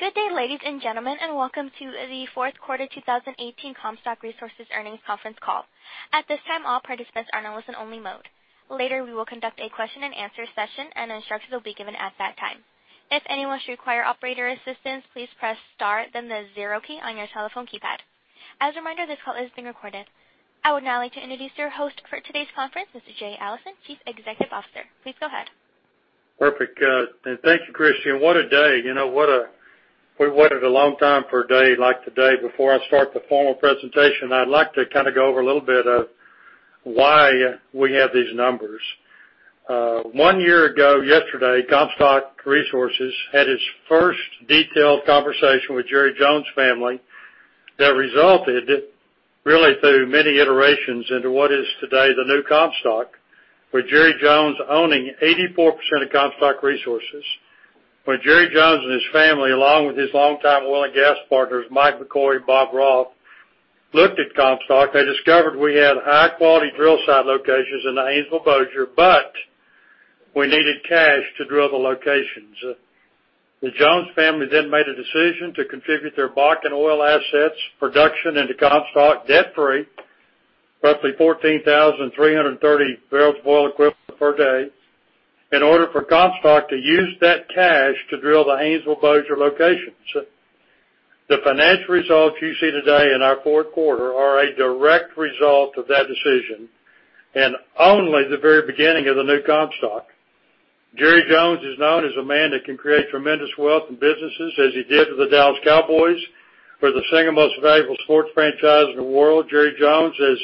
Good day, ladies and gentlemen, welcome to the fourth quarter 2018 Comstock Resources earnings conference call. At this time, all participants are in listen only mode. Later, we will conduct a question and answer session, and instructions will be given at that time. If anyone should require operator assistance, please press star then the zero key on your telephone keypad. As a reminder, this call is being recorded. I would now like to introduce your host for today's conference, Mr. Jay Allison, Chief Executive Officer. Please go ahead. Perfect. Thank you, Christian. What a day. We waited a long time for a day like today. Before I start the formal presentation, I'd like to go over a little bit of why we have these numbers. One year ago yesterday, Comstock Resources had its first detailed conversation with Jerry Jones family that resulted, really through many iterations, into what is today the new Comstock, with Jerry Jones owning 84% of Comstock Resources. When Jerry Jones and his family, along with his longtime oil and gas partners, Mike McCoy, Bob Roth, looked at Comstock, they discovered we had high-quality drill site locations in the Haynesville Bossier, we needed cash to drill the locations. The Jones family then made a decision to contribute their Bakken oil assets production into Comstock, debt-free, roughly 14,330 barrels of oil equivalent per day, in order for Comstock to use that cash to drill the Haynesville Bossier locations. The financial results you see today in our fourth quarter are a direct result of that decision, only the very beginning of the new Comstock. Jerry Jones is known as a man that can create tremendous wealth in businesses, as he did with the Dallas Cowboys. We're the second most valuable sports franchise in the world. Jerry Jones is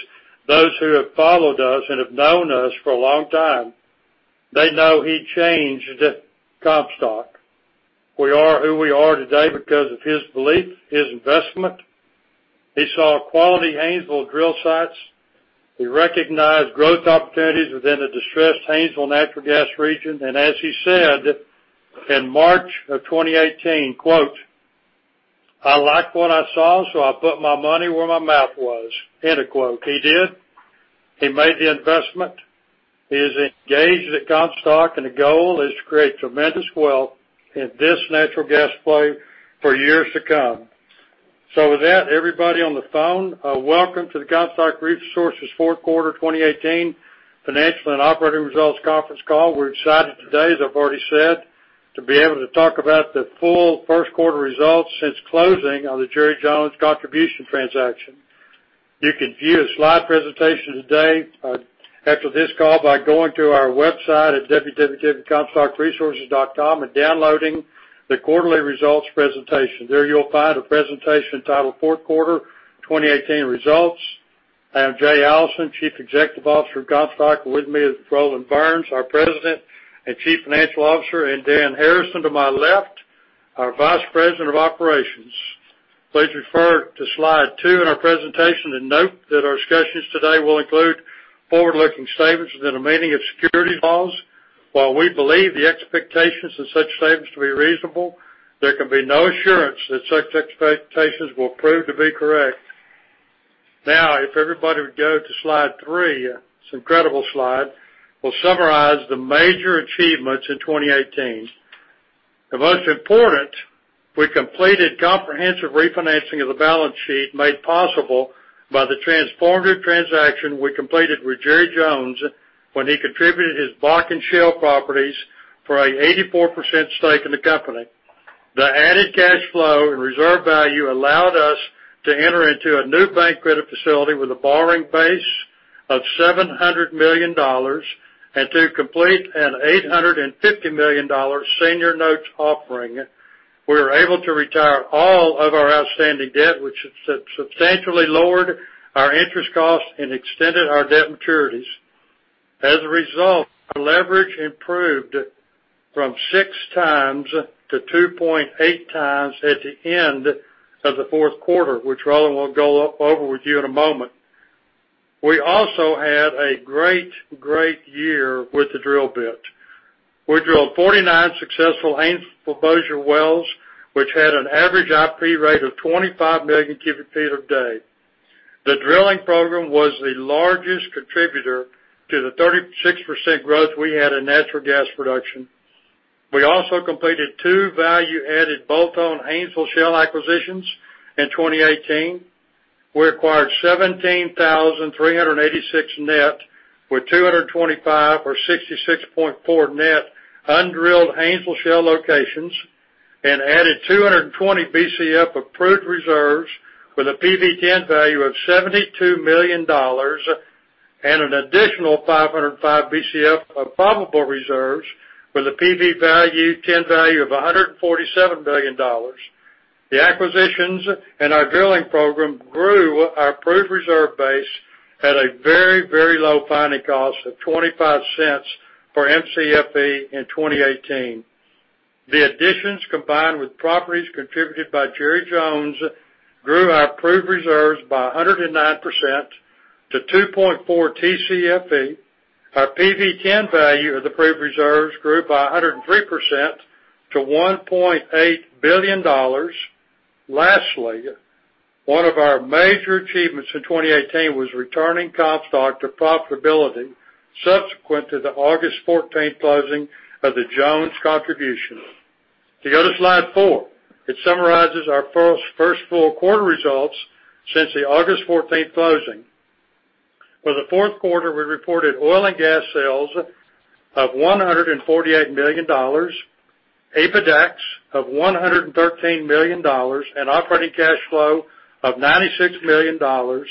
those who have followed us and have known us for a long time, they know he changed Comstock. We are who we are today because of his belief, his investment. He saw quality Haynesville drill sites. He recognized growth opportunities within the distressed Haynesville natural gas region. As he said in March of 2018, quote, "I liked what I saw, I put my money where my mouth was," end of quote. He did. He made the investment. He is engaged at Comstock, the goal is to create tremendous wealth in this natural gas play for years to come. With that, everybody on the phone, welcome to the Comstock Resources fourth quarter 2018 financial and operating results conference call. We're excited today, as I've already said, to be able to talk about the full first quarter results since closing on the Jerry Jones contribution transaction. You can view a slide presentation today after this call by going to our website at www.comstockresources.com and downloading the quarterly results presentation. There you'll find a presentation titled Fourth Quarter 2018 Results. I am Jay Allison, Chief Executive Officer of Comstock. With me is Roland Burns, our President and Chief Financial Officer, and Dan Harrison to my left, our Vice President of Operations. Please refer to slide two in our presentation and note that our discussions today will include forward-looking statements within the meaning of securities laws. While we believe the expectations of such statements to be reasonable, there can be no assurance that such expectations will prove to be correct. If everybody would go to slide three, it is an incredible slide, we will summarize the major achievements in 2018. The most important, we completed comprehensive refinancing of the balance sheet made possible by the transformative transaction we completed with Jerry Jones when he contributed his Bakken Shale properties for an 84% stake in the company. The added cash flow and reserve value allowed us to enter into a new bank credit facility with a borrowing base of $700 million and to complete an $850 million senior notes offering. We were able to retire all of our outstanding debt, which substantially lowered our interest costs and extended our debt maturities. As a result, our leverage improved from six times to 2.8 times at the end of the fourth quarter, which Roland will go over with you in a moment. We also had a great year with the drill bit. We drilled 49 successful Haynesville Bossier wells, which had an average IP rate of 25 million cubic feet a day. The drilling program was the largest contributor to the 36% growth we had in natural gas production. We also completed two value-added bolt-on Haynesville Shale acquisitions in 2018. We acquired 17,386 net with 225 or 66.4 net undrilled Haynesville Shale locations and added 220 Bcf of proved reserves with a PV-10 value of $72 million and an additional 505 Bcf of probable reserves with a PV-10 value of $147 million. The acquisitions and our drilling program grew our proved reserve base at a very low finding cost of $0.25 for Mcfe in 2018. The additions, combined with properties contributed by Jerry Jones, grew our proved reserves by 109% to 2.4 Tcfe. Our PV-10 value of the proved reserves grew by 103% to $1.8 billion. Lastly, one of our major achievements in 2018 was returning Comstock to profitability subsequent to the August 14th closing of the Jones contribution. To go to Slide four, it summarizes our first full quarter results since the August 14th closing. For the fourth quarter, we reported oil and gas sales of $148 million, EBITDAX of $113 million, and operating cash flow of $96 million, or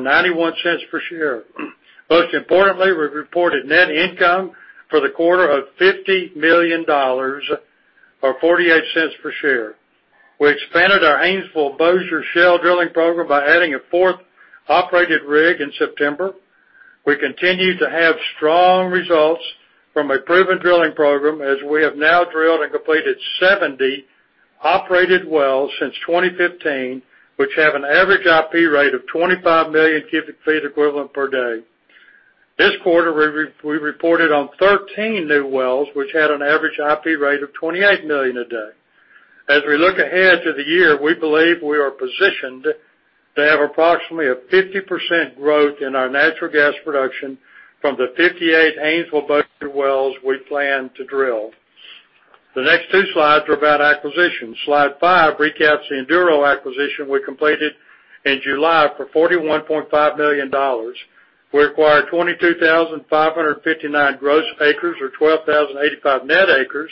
$0.91 per share. Most importantly, we reported net income for the quarter of $50 million or $0.48 per share. We expanded our Haynesville Bossier Shale drilling program by adding a fourth operated rig in September. We continue to have strong results from a proven drilling program, as we have now drilled and completed 70 operated wells since 2015, which have an average IP rate of 25 million cubic feet equivalent per day. This quarter, we reported on 13 new wells, which had an average IP rate of 28 million a day. As we look ahead to the year, we believe we are positioned to have approximately a 50% growth in our natural gas production from the 58 Haynesville Bossier wells we plan to drill. The next two slides are about acquisition. Slide five recaps the Enduro acquisition we completed in July for $41.5 million. We acquired 22,559 gross acres, or 12,085 net acres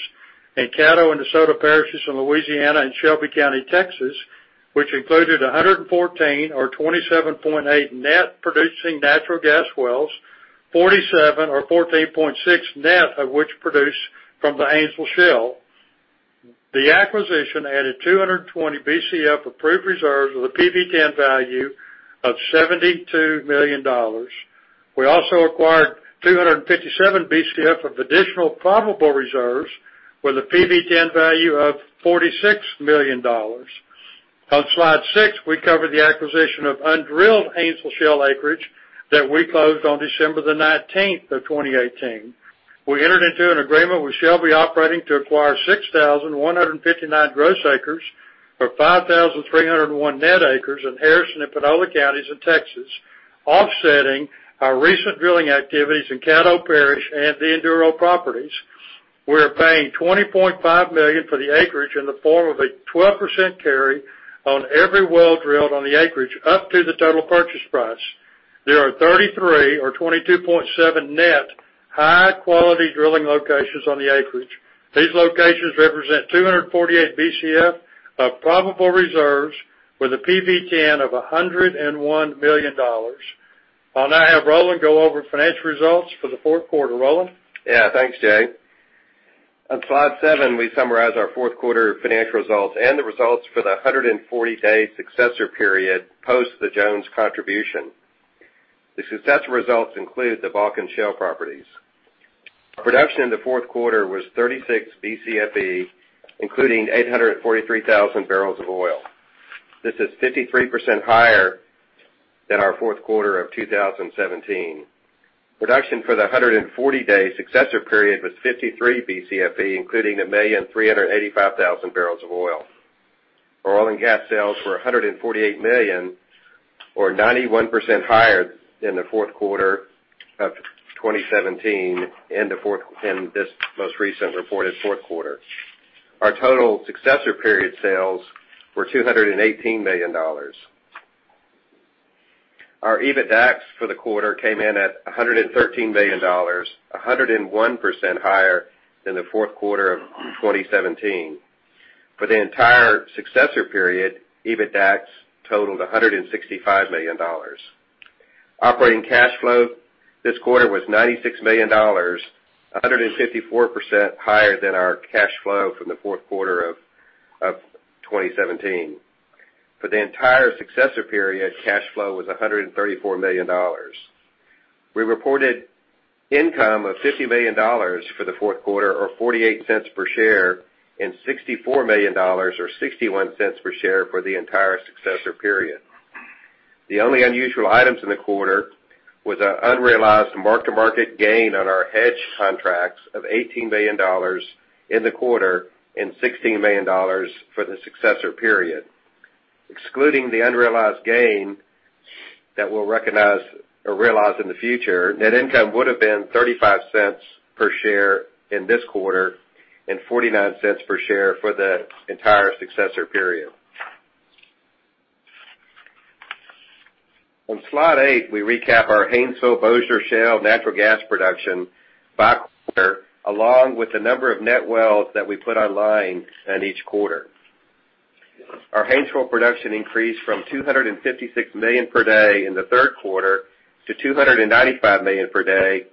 in Caddo and Desoto parishes in Louisiana and Shelby County, Texas, which included 114 or 27.8 net producing natural gas wells, 47 or 14.6 net of which produce from the Haynesville Shale. The acquisition added 220 Bcf of proved reserves with a PV-10 value of $72 million. We also acquired 257 Bcf of additional probable reserves with a PV-10 value of $46 million. On Slide six, we cover the acquisition of undrilled Haynesville Shale acreage that we closed on December the 19th of 2018. We entered into an agreement with Shelby Operating to acquire 6,159 gross acres for 5,301 net acres in Harrison and Panola counties in Texas, offsetting our recent drilling activities in Caddo Parish and the Enduro properties. We are paying $20.5 million for the acreage in the form of a 12% carry on every well drilled on the acreage up to the total purchase price. There are 33 or 22.7 net high-quality drilling locations on the acreage. These locations represent 248 Bcf of probable reserves with a PV-10 of $101 million. I'll now have Roland go over financial results for the fourth quarter. Roland? Thanks, Jay. On Slide seven, we summarize our fourth quarter financial results and the results for the 140-day successor period post the Jones contribution. The successor results include the Bakken Shale properties. Production in the fourth quarter was 36 Bcfe, including 843,000 barrels of oil. This is 53% higher than our fourth quarter of 2017. Production for the 140-day successor period was 53 Bcfe, including 1,385,000 barrels of oil. Our oil and gas sales were $148 million, or 91% higher than the fourth quarter of 2017 and this most recent reported fourth quarter. Our total successor period sales were $218 million. Our EBITDAX for the quarter came in at $113 million, 101% higher than the fourth quarter of 2017. For the entire successor period, EBITDAX totaled $165 million. Operating cash flow this quarter was $96 million, 154% higher than our cash flow from the fourth quarter of 2017. For the entire successor period, cash flow was $134 million. We reported income of $50 million for the fourth quarter, or $0.48 per share, and $64 million or $0.61 per share for the entire successor period. The only unusual items in the quarter was an unrealized mark-to-market gain on our hedge contracts of $18 million in the quarter and $16 million for the successor period. Excluding the unrealized gain that we'll recognize or realize in the future, net income would've been $0.35 per share in this quarter and $0.49 per share for the entire successor period. On Slide eight, we recap our Haynesville Bossier Shale natural gas production by quarter, along with the number of net wells that we put online in each quarter. Our Haynesville production increased from 256 million per day in the third quarter to 295 million per day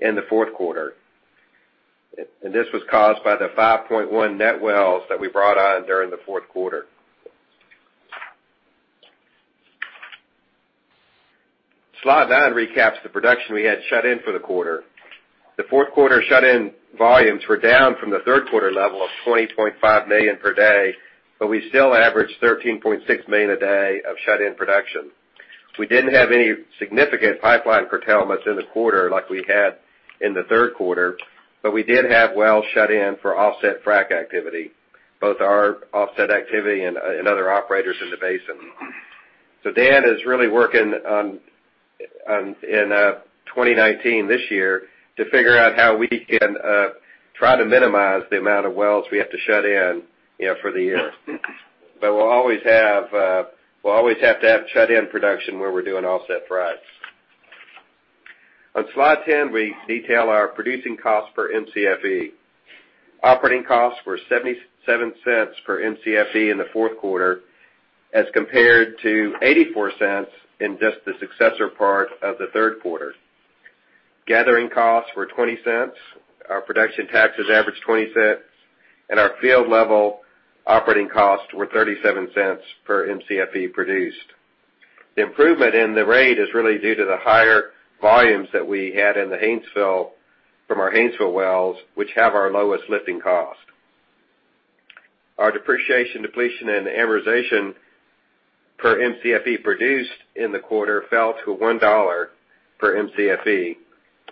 in the fourth quarter. This was caused by the 5.1 net wells that we brought on during the fourth quarter. Slide 9 recaps the production we had shut in for the quarter. The fourth quarter shut-in volumes were down from the third quarter level of 20.5 million per day, but we still averaged 13.6 million a day of shut-in production. We didn't have any significant pipeline curtailments in the quarter like we had in the third quarter, but we did have wells shut in for offset frac activity, both our offset activity and other operators in the basin. Dan is really working in 2019, this year, to figure out how we can try to minimize the amount of wells we have to shut in for the year. We'll always have to have shut-in production where we're doing offset fracs. On slide 10, we detail our producing cost per Mcfe. Operating costs were $0.77 per Mcfe in the fourth quarter as compared to $0.84 in just the successor part of the third quarter. Gathering costs were $0.20. Our production taxes averaged $0.20, and our field level operating costs were $0.37 per Mcfe produced. The improvement in the rate is really due to the higher volumes that we had in the Haynesville from our Haynesville wells, which have our lowest lifting cost. Our depreciation, depletion, and amortization per Mcfe produced in the quarter fell to $1 per Mcfe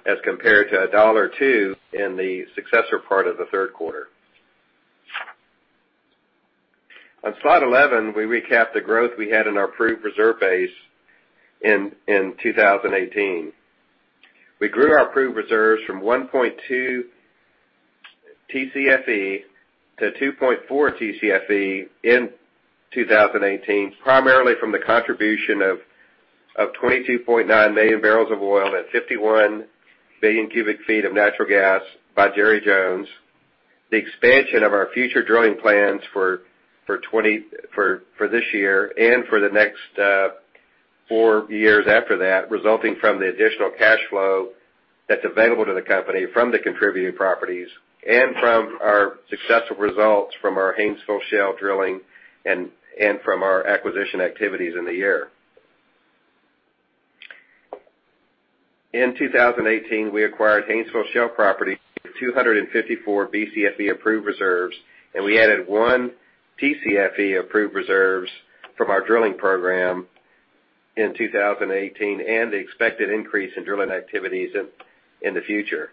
as compared to $1.02 in the successor part of the third quarter. On slide 11, we recap the growth we had in our proved reserve base in 2018. We grew our proved reserves from 1.2 Tcfe to 2.4 Tcfe in 2018, primarily from the contribution of 22.9 million barrels of oil at 51 million cubic feet of natural gas by Jerry Jones. The expansion of our future drilling plans for this year and for the next four years after that, resulting from the additional cash flow that's available to the company from the contributing properties and from our successful results from our Haynesville Shale drilling and from our acquisition activities in the year. In 2018, we acquired Haynesville Shale property, 254 Bcfe proved reserves. We added one Tcfe of proved reserves from our drilling program in 2018, and the expected increase in drilling activities in the future.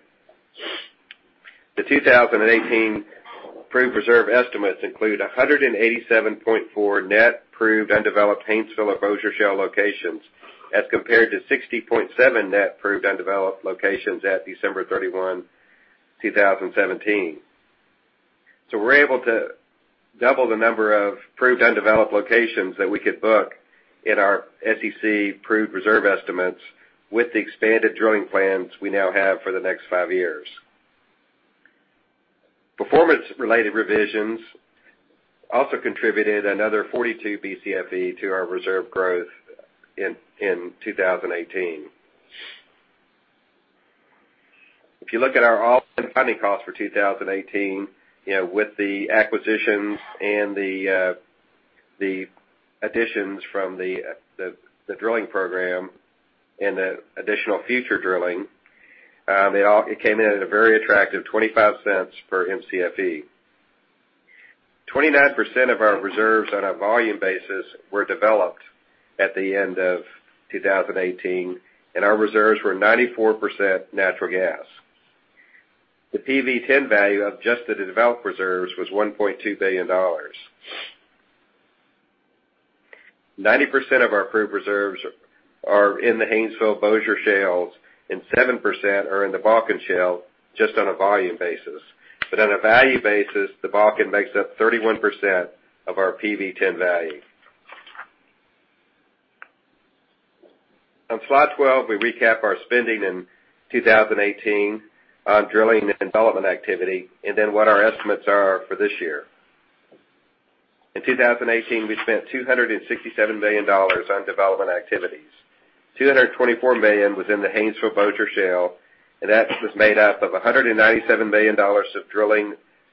The 2018 proved reserve estimates include 187.4 net proved undeveloped Haynesville or Bossier Shale locations as compared to 60.7 net proved undeveloped locations at December 31, 2017. We're able to double the number of proved undeveloped locations that we could book in our SEC proved reserve estimates with the expanded drilling plans we now have for the next five years. Performance-related revisions also contributed another 42 Bcfe to our reserve growth in 2018. If you look at our all-in finding costs for 2018, with the acquisitions and the additions from the drilling program and the additional future drilling, it came in at a very attractive $0.25 per Mcfe. 29% of our reserves on a volume basis were developed at the end of 2018. Our reserves were 94% natural gas. The PV-10 value of just the developed reserves was $1.2 billion. 90% of our proved reserves are in the Haynesville-Bossier Shales and 7% are in the Bakken Shale just on a volume basis. On a value basis, the Bakken makes up 31% of our PV-10 value. On slide 12, we recap our spending in 2018 on drilling and development activity, and what our estimates are for this year. In 2018, we spent $267 million on development activities. $224 million was in the Haynesville-Bossier Shale, and that was made up of $197 million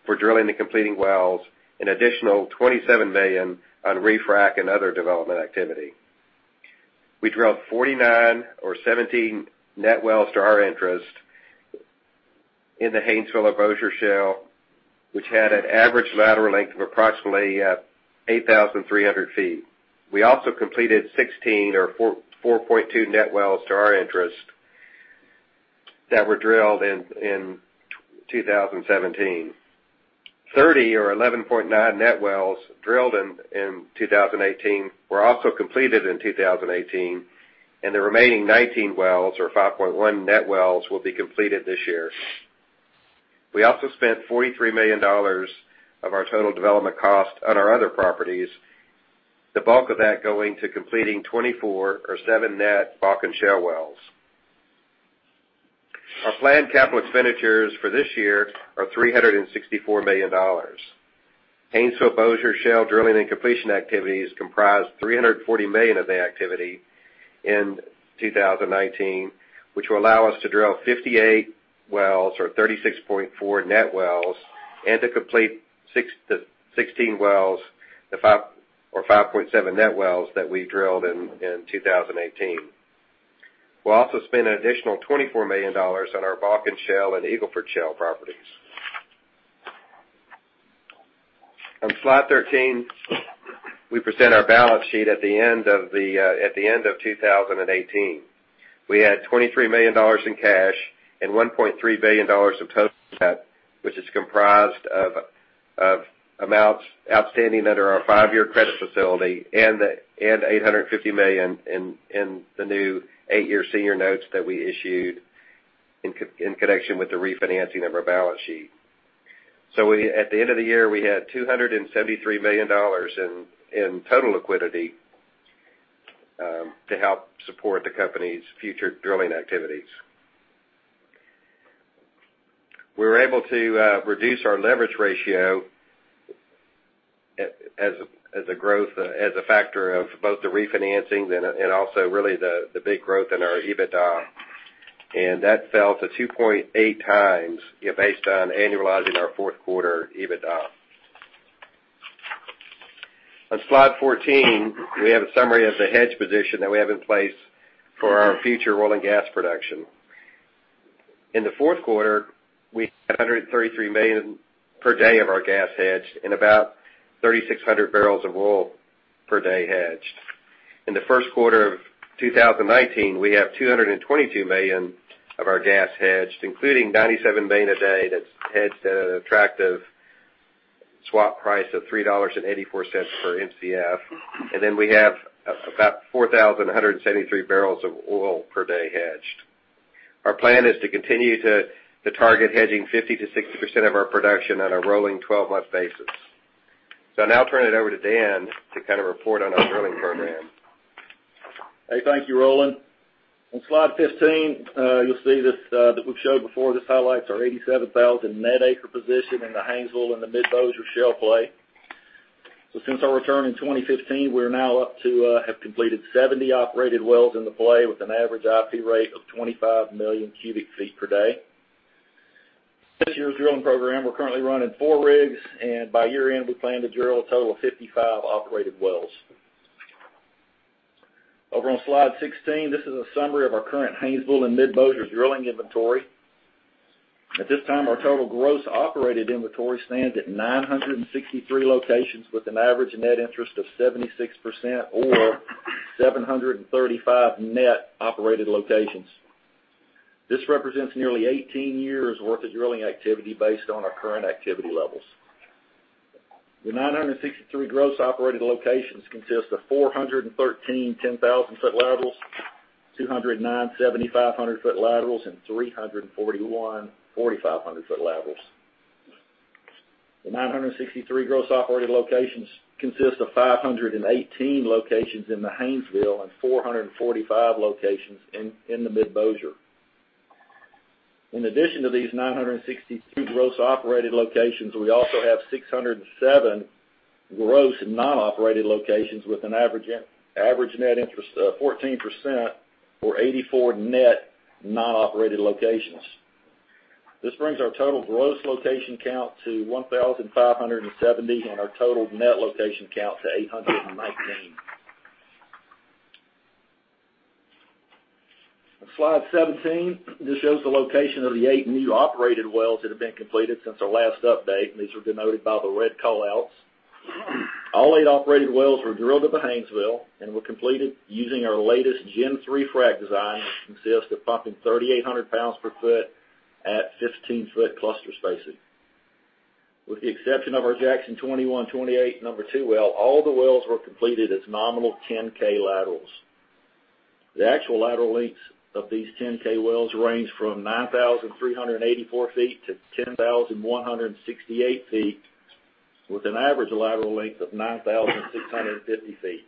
for drilling and completing wells, an additional $27 million on refrac and other development activity. We drilled 49 or 17 net wells to our interest in the Haynesville or Bossier Shale, which had an average lateral length of approximately 8,300 feet. We also completed 16 or 4.2 net wells to our interest that were drilled in 2017. 30 or 11.9 net wells drilled in 2018 were also completed in 2018, and the remaining 19 wells or 5.1 net wells will be completed this year. We also spent $43 million of our total development cost on our other properties, the bulk of that going to completing 24 or seven net Bakken Shale wells. Our planned capital expenditures for this year are $364 million. Haynesville-Bossier Shale drilling and completion activities comprise $340 million of the activity in 2019, which will allow us to drill 58 wells or 36.4 net wells and to complete 16 wells or 5.7 net wells that we drilled in 2018. We'll also spend an additional $24 million on our Bakken Shale and Eagle Ford Shale properties. On slide 13, we present our balance sheet at the end of 2018. We had $23 million in cash and $1.3 billion of total debt, which is comprised of amounts outstanding under our five-year credit facility and $850 million in the new eight-year senior notes that we issued in connection with the refinancing of our balance sheet. At the end of the year, we had $273 million in total liquidity to help support the company's future drilling activities. We were able to reduce our leverage ratio as a factor of both the refinancing and also really the big growth in our EBITDA. That fell to 2.8 times based on annualizing our fourth quarter EBITDA. On slide 14, we have a summary of the hedge position that we have in place for our future oil and gas production. In the fourth quarter, we had 133 million per day of our gas hedged and about 3,600 barrels of oil per day hedged. In the first quarter of 2019, we have 222 million of our gas hedged, including 97 million a day that's hedged at an attractive swap price of $3.84 per Mcf. We have about 4,173 barrels of oil per day hedged. Our plan is to continue to target hedging 50%-60% of our production on a rolling 12-month basis. I'll now turn it over to Dan to report on our drilling program. Thank you, Roland. On slide 15, you'll see this that we've showed before. This highlights our 87,000 net acre position in the Haynesville and the Mid-Bossier Shale play. Since our return in 2015, we're now up to have completed 70 operated wells in the play with an average IP rate of 25 million cubic feet per day. This year's drilling program, we're currently running four rigs, and by year-end, we plan to drill a total of 55 operated wells. On slide 16, this is a summary of our current Haynesville and Mid-Bossier drilling inventory. At this time, our total gross operated inventory stands at 963 locations with an average net interest of 76% or 735 net operated locations. This represents nearly 18 years' worth of drilling activity based on our current activity levels. The 963 gross operated locations consist of 413 10,000-foot laterals, 209 7,500-foot laterals, and 341 4,500-foot laterals. The 963 gross operated locations consist of 518 locations in the Haynesville and 445 locations in the Mid-Bossier. In addition to these 963 gross operated locations, we also have 607 gross non-operated locations with an average net interest of 14% or 84 net non-operated locations. This brings our total gross location count to 1,570 and our total net location count to 819. On slide 17, this shows the location of the eight new operated wells that have been completed since our last update, and these are denoted by the red call-outs. All eight operated wells were drilled at the Haynesville and were completed using our latest Gen 3 frac design, which consists of pumping 3,800 pounds per foot at 15-foot cluster spacing. With the exception of our Jackson 2128 number 2 well, all the wells were completed as nominal 10K laterals. The actual lateral lengths of these 10K wells range from 9,384 feet to 10,168 feet, with an average lateral length of 9,650 feet.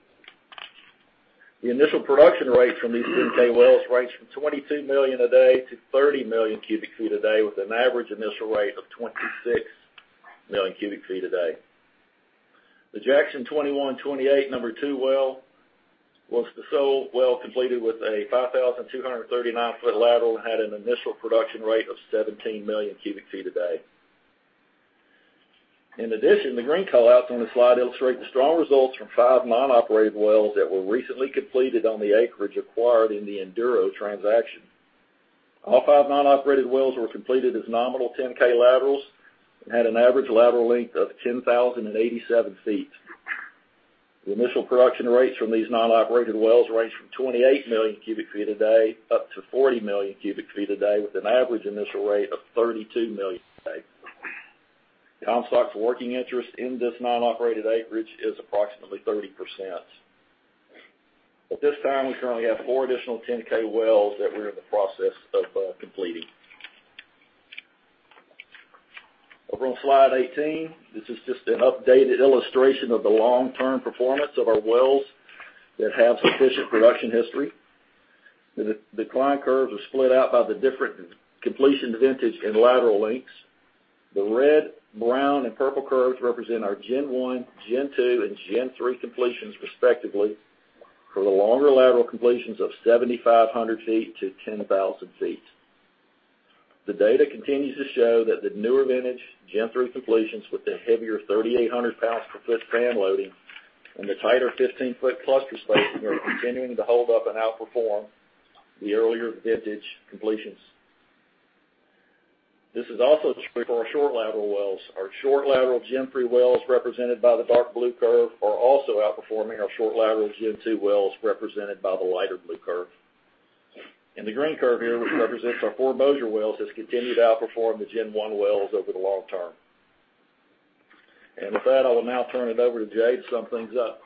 The initial production rates from these 10K wells range from 22 million a day to 30 million cubic feet a day, with an average initial rate of 26 million cubic feet a day. The Jackson 2128 number 2 well was the sole well completed with a 5,239-foot lateral and had an initial production rate of 17 million cubic feet a day. In addition, the green callouts on the slide illustrate the strong results from five non-operated wells that were recently completed on the acreage acquired in the Enduro transaction. All five non-operated wells were completed as nominal 10K laterals and had an average lateral length of 10,087 feet. The initial production rates from these non-operated wells range from 28 million cubic feet a day up to 40 million cubic feet a day, with an average initial rate of 32 million a day. Comstock's working interest in this non-operated acreage is approximately 30%. At this time, we currently have four additional 10K wells that we're in the process of completing. On slide 18, this is just an updated illustration of the long-term performance of our wells that have sufficient production history. The decline curves are split out by the different completion vintage and lateral lengths. The red, brown, and purple curves represent our Gen 1, Gen 2, and Gen 3 completions respectively, for the longer lateral completions of 7,500 feet to 10,000 feet. The data continues to show that the newer vintage Gen 3 completions with the heavier 3,800 pounds per foot sand loading and the tighter 15-foot cluster spacing are continuing to hold up and outperform the earlier vintage completions. This is also true for our short lateral wells. Our short lateral Gen 3 wells, represented by the dark blue curve, are also outperforming our short lateral Gen 2 wells, represented by the lighter blue curve. The green curve here, which represents our four Boswell wells, has continued to outperform the Gen 1 wells over the long term. With that, I will now turn it over to Jay to sum things up.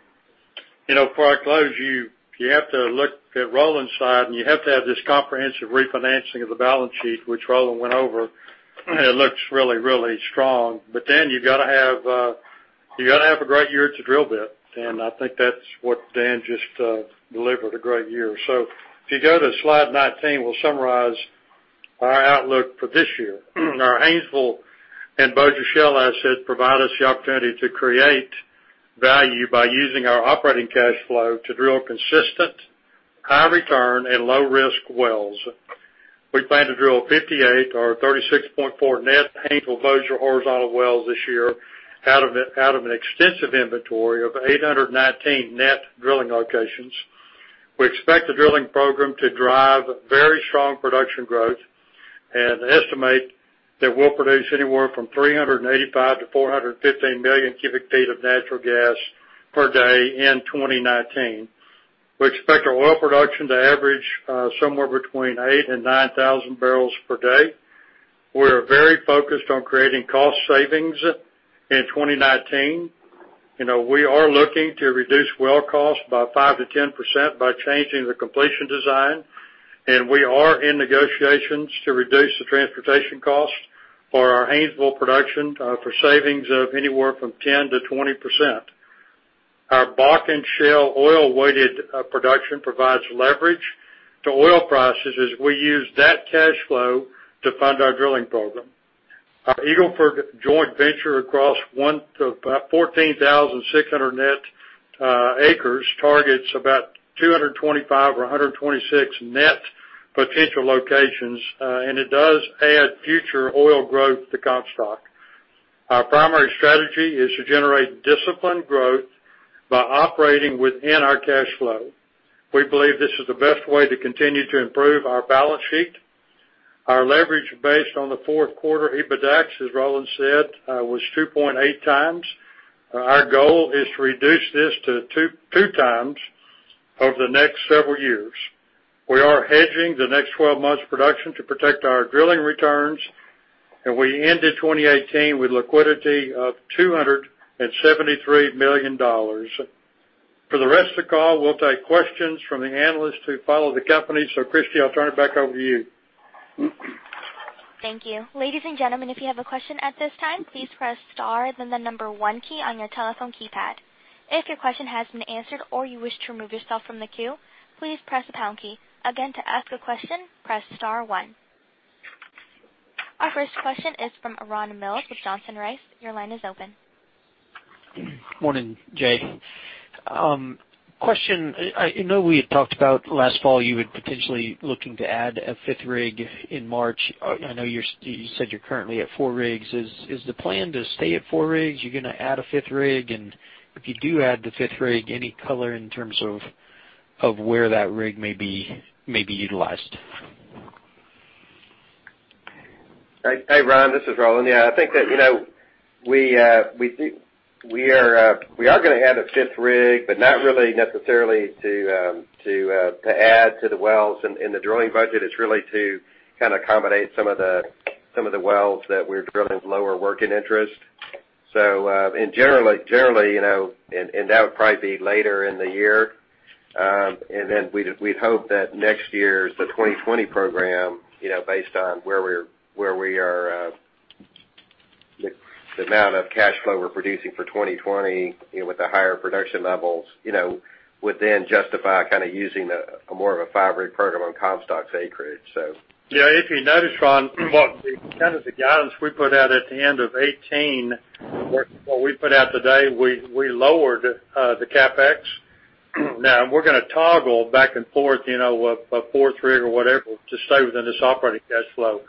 Before I close, you have to look at Roland's side, and you have to have this comprehensive refinancing of the balance sheet, which Roland went over, and it looks really, really strong. Then you've got to have a great year at the drill bit, and I think that's what Dan just delivered, a great year. If you go to slide 19, we'll summarize our outlook for this year. Our Haynesville and Bossier Shale assets provide us the opportunity to create value by using our operating cash flow to drill consistent, high return, and low-risk wells. We plan to drill 58 or 36.4 net Haynesville Bossier horizontal wells this year out of an extensive inventory of 819 net drilling locations. We expect the drilling program to drive very strong production growth and estimate that we'll produce anywhere from 385 to 415 million cubic feet of natural gas per day in 2019. We expect our oil production to average somewhere between 8,000 and 9,000 barrels per day. We're very focused on creating cost savings in 2019. We are looking to reduce well costs by 5%-10% by changing the completion design, and we are in negotiations to reduce the transportation costs for our Haynesville production for savings of anywhere from 10%-20%. Our Bakken Shale oil-weighted production provides leverage to oil prices as we use that cash flow to fund our drilling program. Our Eagle Ford joint venture across 14,600 net acres targets about 225 or 126 net potential locations, and it does add future oil growth to Comstock. Our primary strategy is to generate disciplined growth by operating within our cash flow. We believe this is the best way to continue to improve our balance sheet. Our leverage based on the fourth quarter EBITDA, as Roland said, was 2.8 times. Our goal is to reduce this to two times over the next several years. We are hedging the next 12 months' production to protect our drilling returns, and we ended 2018 with liquidity of $273 million. For the rest of the call, we'll take questions from the analysts who follow the company. Christy, I'll turn it back over to you. Thank you. Ladies and gentlemen, if you have a question at this time, please press star then the number 1 key on your telephone keypad. If your question has been answered or you wish to remove yourself from the queue, please press the pound key. Again, to ask a question, press star 1. Our first question is from Ron Mills with Johnson Rice. Your line is open. Morning, Jay. Question, I know we had talked about last fall, you would potentially looking to add a fifth rig in March. I know you said you are currently at four rigs. Is the plan to stay at four rigs? You are going to add a fifth rig, and if you do add the fifth rig, any color in terms of where that rig may be utilized? Hey, Ron, this is Roland. I think that we are going to add a fifth rig, but not really necessarily to add to the wells in the drilling budget. It is really to kind of accommodate some of the wells that we are drilling with lower working interest. Generally, that would probably be later in the year. Then we would hope that next year's the 2020 program, based on where we are, the amount of cash flow we are producing for 2020 with the higher production levels would then justify using more of a five-rig program on Comstock's acreage. If you notice, Ron, what the guidance we put out at the end of 2018, what we put out today, we lowered the CapEx. Now, we are going to toggle back and forth, a fourth rig or whatever, to stay within this operating cash flow.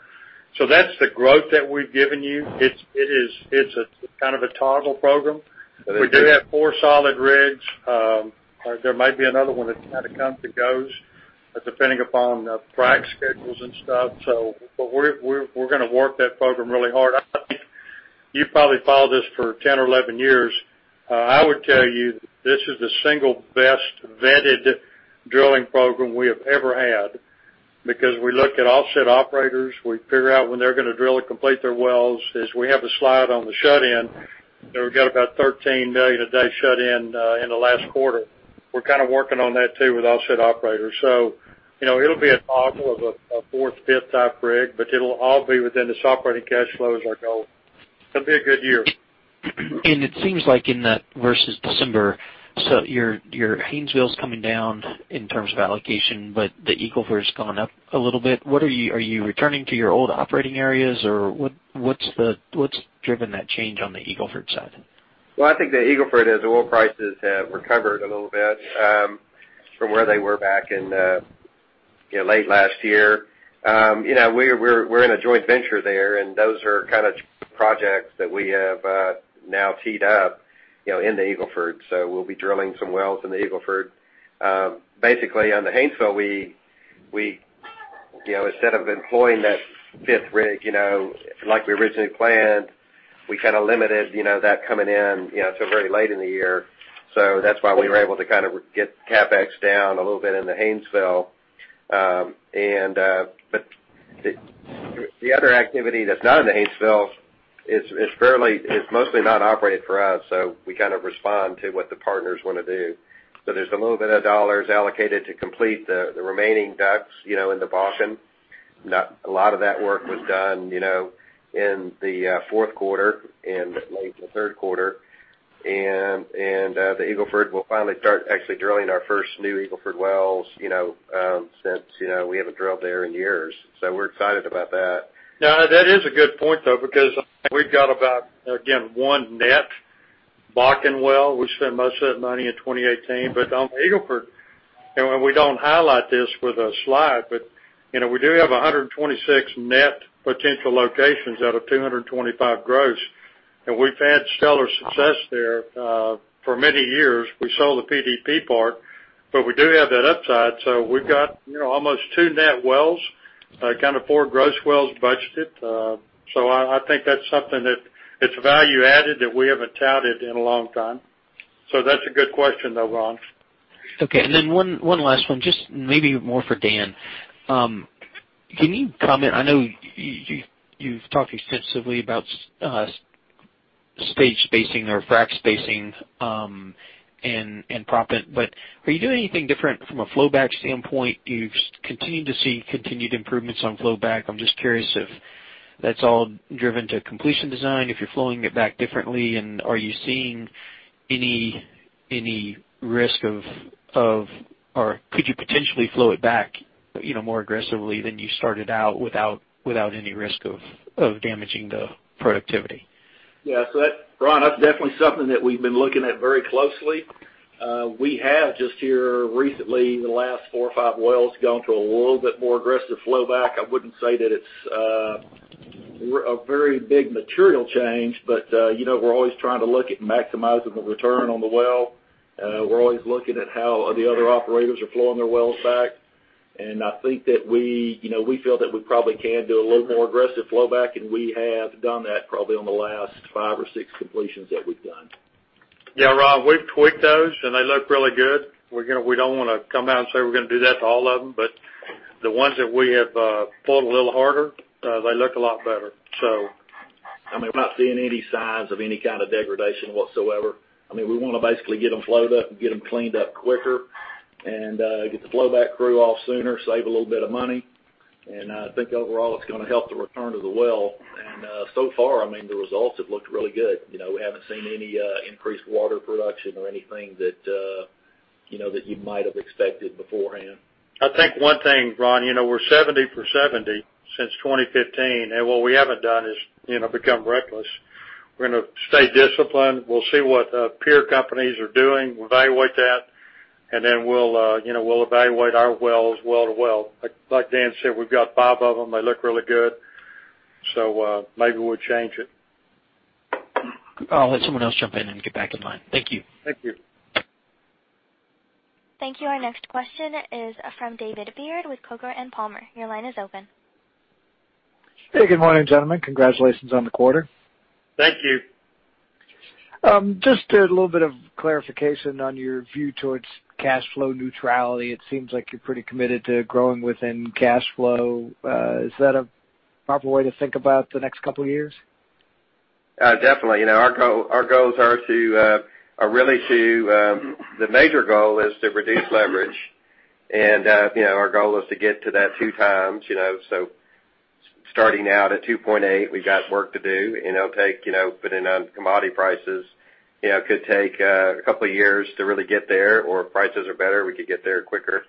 That is the growth that we have given you. It is a kind of a toggle program. It is. We do have four solid rigs. There might be another one that kind of comes and goes, depending upon track schedules and stuff. We're gonna work that program really hard. You've probably followed this for 10 or 11 years. I would tell you this is the single best-vetted drilling program we have ever had because we look at offset operators, we figure out when they're gonna drill and complete their wells. As we have a slide on the shut-in, we've got about 13 million a day shut-in in the last quarter. We're kind of working on that too with offset operators. It'll be a toggle of a 4th, 5th type rig, but it'll all be within this operating cash flow as our goal. It'll be a good year. It seems like in that versus December's, your Haynesville's coming down in terms of allocation, but the Eagle Ford's gone up a little bit. Are you returning to your old operating areas, or what's driven that change on the Eagle Ford side? Well, I think the Eagle Ford, as oil prices have recovered a little bit from where they were back in late last year. We're in a joint venture there, those are kind of projects that we have now teed up In the Eagle Ford. We'll be drilling some wells in the Eagle Ford. On the Haynesville, instead of employing that fifth rig like we originally planned, we limited that coming in till very late in the year. That's why we were able to get CapEx down a little bit in the Haynesville. The other activity that's not in the Haynesville is mostly not operated for us, so we kind of respond to what the partners want to do. There's a little bit of dollars allocated to complete the remaining DUCs in the Bakken. A lot of that work was done in the fourth quarter and late in the third quarter. The Eagle Ford will finally start actually drilling our first new Eagle Ford wells, since we haven't drilled there in years. We're excited about that. That is a good point, though, because we've got about, again, one net Bakken well. We spent most of that money in 2018, but on the Eagle Ford, and we don't highlight this with a slide, but we do have 126 net potential locations out of 225 gross. We've had stellar success there for many years. We sold the PDP part, but we do have that upside. We've got almost two net wells, four gross wells budgeted. I think that's something that's value added that we haven't touted in a long time. That's a good question, though, Ron. One last one, just maybe more for Dan. Can you comment? I know you've talked extensively about stage spacing or frac spacing and proppant, but are you doing anything different from a flow back standpoint? You've continued to see continued improvements on flow back. I'm just curious if that's all driven to completion design, if you're flowing it back differently, and are you seeing any risk of, or could you potentially flow it back more aggressively than you started out without any risk of damaging the productivity? Yes. Ron, that's definitely something that we've been looking at very closely. We have just here recently, the last four or five wells, gone to a little bit more aggressive flow back. I wouldn't say that it's a very big material change, but we're always trying to look at maximizing the return on the well. We're always looking at how the other operators are flowing their wells back, and I think that we feel that we probably can do a little more aggressive flow back, and we have done that probably on the last five or six completions that we've done. Yeah, Ron, we've tweaked those. They look really good. The ones that we have pulled a little harder, they look a lot better. We're not seeing any signs of any kind of degradation whatsoever. We want to basically get them flowed up and get them cleaned up quicker and get the flow back crew off sooner, save a little bit of money. I think overall, it's going to help the return of the well, and so far, the results have looked really good. We haven't seen any increased water production or anything that you might have expected beforehand. I think one thing, Ron, we're 70 for 70 since 2015, and what we haven't done is become reckless. We're going to stay disciplined. We'll see what peer companies are doing. We'll evaluate that. Then we'll evaluate our wells well to well. Like Dan said, we've got five of them. They look really good. Maybe we'll change it. I'll let someone else jump in and get back in line. Thank you. Thank you. Thank you. Our next question is from David Beard with Coker & Palmer. Your line is open. Hey, good morning, gentlemen. Congratulations on the quarter. Thank you. Just a little bit of clarification on your view towards cash flow neutrality. It seems like you're pretty committed to growing within cash flow. Is that a proper way to think about the next couple of years? Definitely. The major goal is to reduce leverage, and our goal is to get to that 2 times. Starting out at 2.8, we've got work to do. Depending on commodity prices, it could take a couple of years to really get there, or if prices are better, we could get there quicker.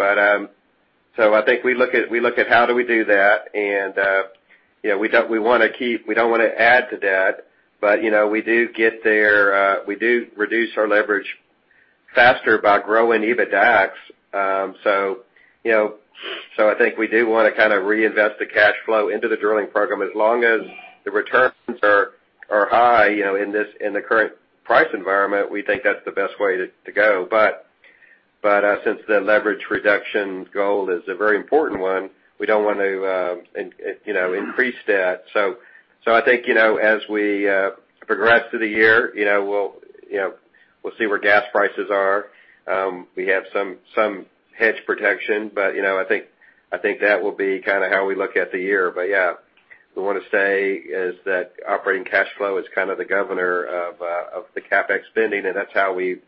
I think we look at how do we do that, and we don't want to add to debt, but we do reduce our leverage faster by growing EBITDAX. I think we do want to reinvest the cash flow into the drilling program. As long as the returns are high in the current price environment, we think that's the best way to go. Since the leverage reduction goal is a very important one, we don't want to increase debt. I think as we progress through the year, we'll see where natural gas prices are. We have some hedge protection, but I think that will be how we look at the year. Yeah, we want to say is that operating cash flow is the governor of the CapEx spending, and that's how we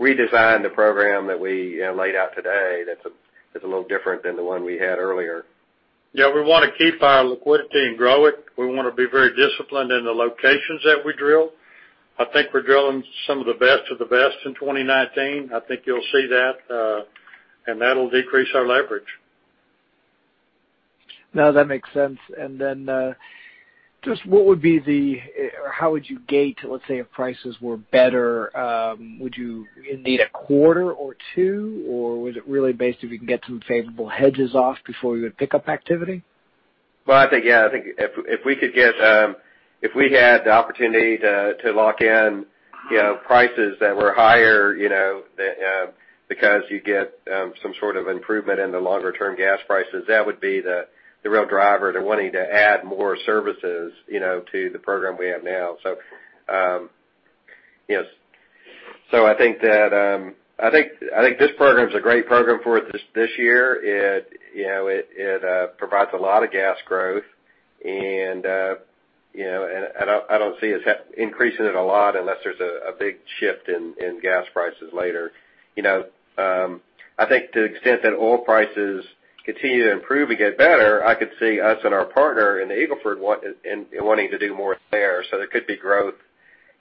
redesigned the program that we laid out today. That's a little different than the one we had earlier. Yeah, we want to keep our liquidity and grow it. We want to be very disciplined in the locations that we drill. I think we're drilling some of the best of the best in 2019. I think you'll see that, and that'll decrease our leverage. No, that makes sense. Just how would you gauge, let's say, if prices were better, would you need a quarter or two, or was it really based if you can get some favorable hedges off before you would pick up activity? I think, yeah, if we had the opportunity to lock in prices that were higher, because you get some sort of improvement in the longer-term gas prices, that would be the real driver to wanting to add more services to the program we have now. Yes. I think this program is a great program for this year. It provides a lot of gas growth, and I don't see us increasing it a lot unless there's a big shift in gas prices later. I think to the extent that oil prices continue to improve and get better, I could see us and our partner in the Eagle Ford wanting to do more there. There could be growth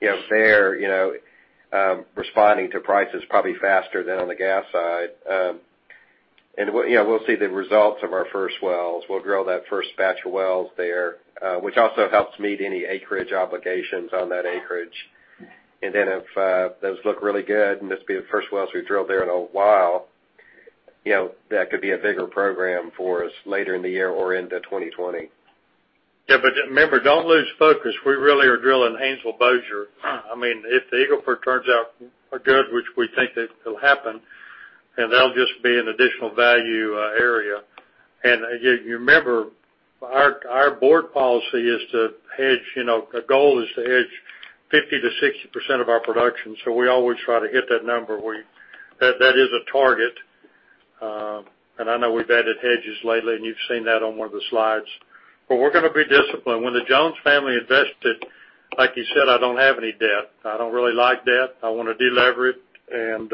there, responding to prices probably faster than on the gas side. We'll see the results of our first wells. We'll drill that first batch of wells there, which also helps meet any acreage obligations on that acreage. If those look really good, and this will be the first wells we've drilled there in a while, that could be a bigger program for us later in the year or into 2020. Yeah. Remember, don't lose focus. We really are drilling Haynesville, Bossier. If the Eagle Ford turns out good, which we think it'll happen, that'll just be an additional value area. You remember, our board policy is to hedge. The goal is to hedge 50%-60% of our production, so we always try to hit that number. That is a target. I know we've added hedges lately, and you've seen that on one of the slides. We're going to be disciplined. When the Jones family invested, like you said, I don't have any debt. I don't really like debt. I want to deleverage, and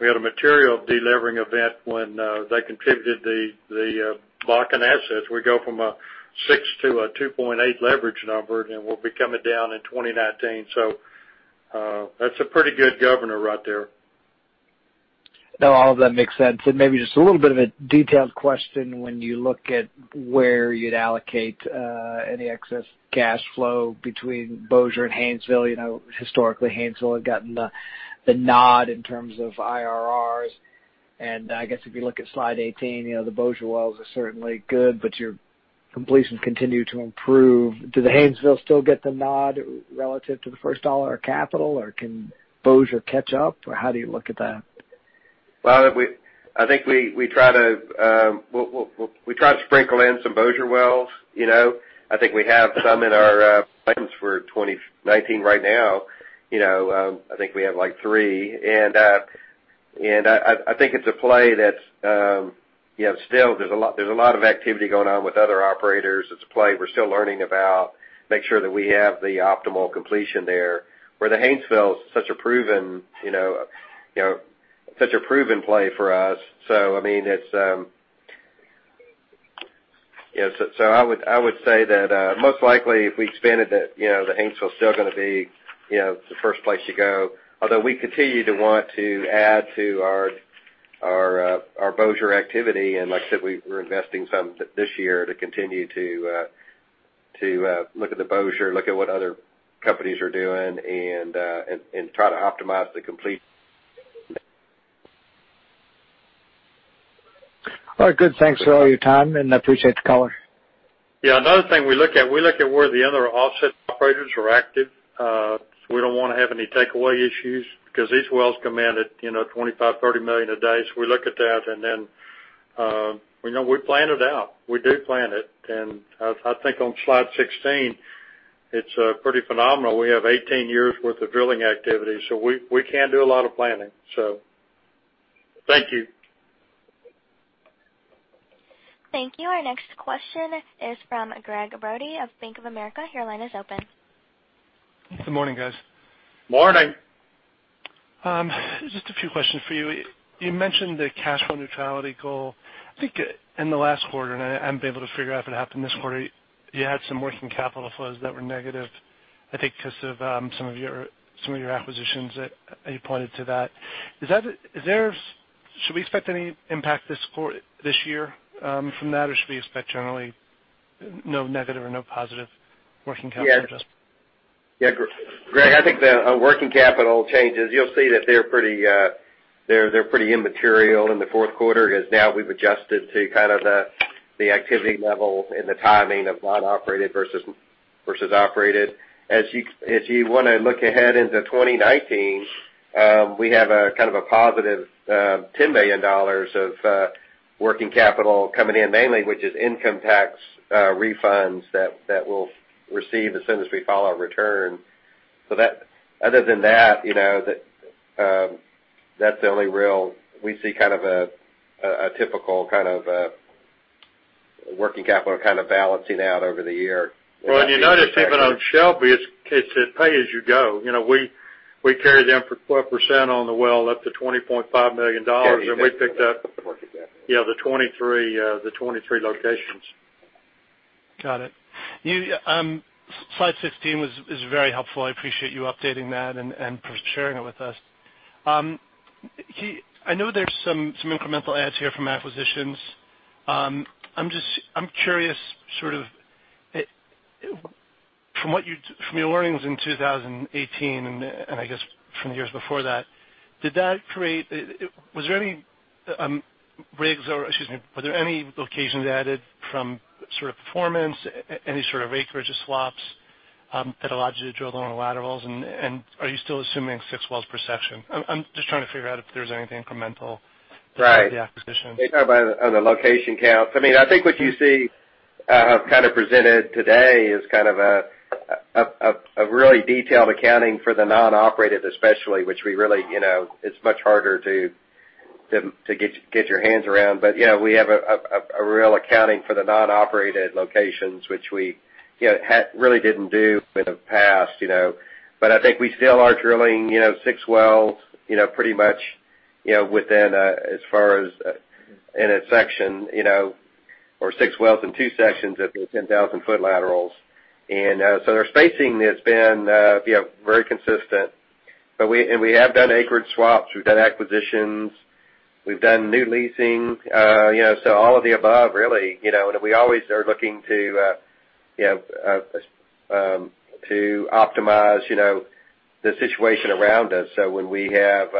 we had a material de-levering event when they contributed the lock-in assets. We go from a six to a 2.8 leverage number, and we'll be coming down in 2019. That's a pretty good governor right there. No, all of that makes sense. Maybe just a little bit of a detailed question when you look at where you'd allocate any excess cash flow between Bossier and Haynesville. Historically, Haynesville had gotten the nod in terms of IRRs, and I guess if you look at slide 18, the Bossier wells are certainly good, but your completions continue to improve. Do the Haynesville still get the nod relative to the first dollar of capital, or can Bossier catch up? How do you look at that? Well, we try to sprinkle in some Bossier wells. I think we have some in our plans for 2019 right now. I think we have three. I think it's a play that's still, there's a lot of activity going on with other operators. It's a play we're still learning about, make sure that we have the optimal completion there. Where the Haynesville's such a proven play for us. I would say that most likely, if we expanded it, the Haynesville's still going to be the first place you go. Although we continue to want to add to our Bossier activity, and like I said, we're investing some this year to continue to look at the Bossier, look at what other companies are doing, and try to optimize the complete. All right, good. Thanks for all your time, and I appreciate the call. Yeah. Another thing we look at, we look at where the other offset operators are active. We don't want to have any takeaway issues, because these wells come in at $25 million, $30 million a day. We look at that, and then we plan it out. We do plan it. I think on slide 16, it's pretty phenomenal. We have 18 years’ worth of drilling activity, so we can do a lot of planning. Thank you. Thank you. Our next question is from Gregg Brody of Bank of America. Your line is open. Good morning, guys. Morning. Just a few questions for you. You mentioned the cash flow neutrality goal. I think in the last quarter, and I haven't been able to figure out if it happened this quarter, you had some working capital flows that were negative, I think because of some of your acquisitions, you pointed to that. Should we expect any impact this year from that, or should we expect generally no negative or no positive working capital? Yeah, Gregg, I think the working capital changes, you'll see that they're pretty immaterial in the fourth quarter, as now we've adjusted to the activity level and the timing of non-operated versus operated. As you want to look ahead into 2019, we have a positive $10 million of working capital coming in, mainly, which is income tax refunds that we'll receive as soon as we file our return. Other than that's the only real. We see a typical working capital balancing out over the year. Well, you notice even on Shelby, it's pay as you go. We carry them for 12% on the well up to $20.5 million. Working capital yeah, the 23 locations. Got it. Slide 16 is very helpful. I appreciate you updating that and for sharing it with us. I know there's some incremental adds here from acquisitions. I'm curious sort of from your learnings in 2018, and I guess from the years before that, was there any locations added from performance, any sort of acreage or swaps, that allowed you to drill the long laterals? Are you still assuming six wells per section? I'm just trying to figure out if there's anything incremental- Right with the acquisition. You're talking about on the location counts. I think what you see, I've presented today is a really detailed accounting for the non-operated, especially, which it's much harder to get your hands around. We have a real accounting for the non-operated locations, which we really didn't do in the past. I think we still are drilling six wells, pretty much within, as far as in a section, or six wells in two sections at the 10,000-foot laterals. Their spacing has been very consistent. We have done acreage swaps. We've done acquisitions. We've done new leasing. All of the above really. We always are looking to optimize the situation around us. When we have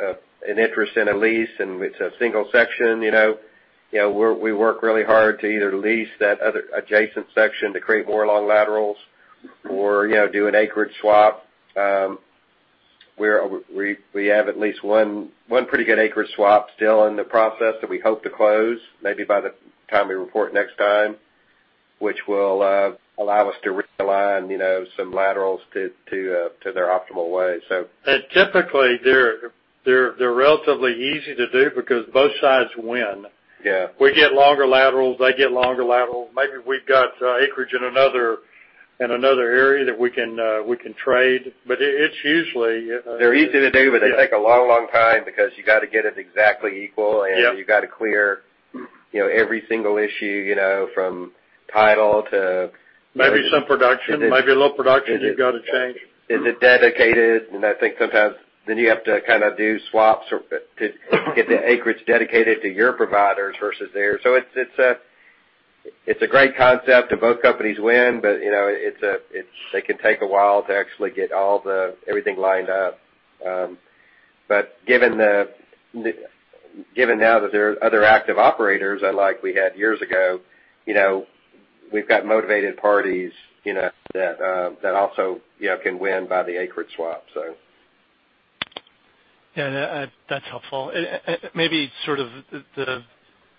an interest in a lease, and it's a single section, we work really hard to either lease that other adjacent section to create more long laterals or do an acreage swap, where we have at least one pretty good acreage swap still in the process that we hope to close maybe by the time we report next time, which will allow us to realign some laterals to their optimal way. Typically, they're relatively easy to do because both sides win. Yeah. We get longer laterals, they get longer laterals. Maybe we've got acreage in another area that we can trade, it's usually. They're easy to do, but they take a long time because you got to get it exactly equal, and you got to clear every single issue, from title to- Maybe some production. Maybe a little production you've got to change. Is it dedicated? I think sometimes then you have to do swaps or to get the acreage dedicated to your providers versus theirs. It's a great concept, and both companies win, but they can take a while to actually get everything lined up. Given now that there are other active operators unlike we had years ago, we've got motivated parties that also can win by the acreage swap. Yeah. That's helpful. Maybe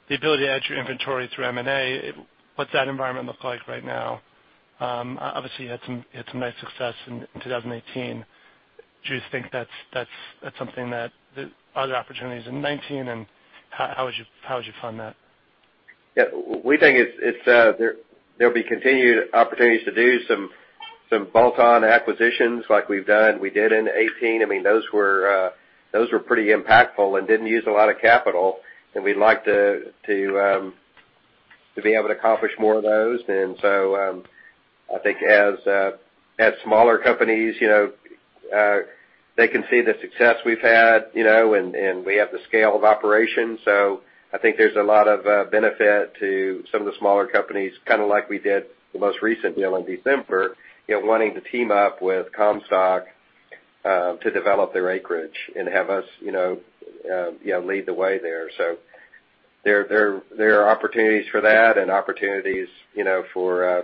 the ability to add to your inventory through M&A, what's that environment look like right now? Obviously, you had some nice success in 2018. Are there opportunities in 2019, and how would you fund that? Yeah. We think there'll be continued opportunities to do some bolt-on acquisitions like we did in 2018. Those were pretty impactful and didn't use a lot of capital, and we'd like to be able to accomplish more of those. I think as smaller companies, they can see the success we've had, and we have the scale of operations. I think there's a lot of benefit to some of the smaller companies, like we did the most recent deal in December, wanting to team up with Comstock to develop their acreage and have us lead the way there. There are opportunities for that and opportunities for